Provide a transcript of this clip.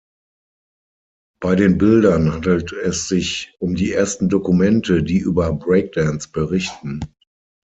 Bei den Bildern handelt es sich um die ersten Dokumente, die über Breakdance berichten.